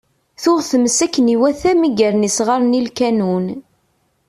Tuɣ tmes akken i iwata mi yerna isɣaren i lkanun.